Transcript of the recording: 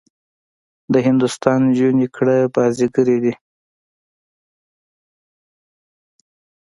د هندوستان نجونې کړه بازيګرې دي.